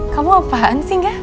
kamu apaan sih nga